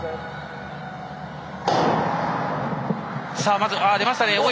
まず出ましたね。